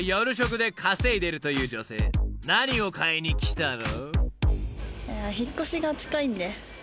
［何を買いに来たの？］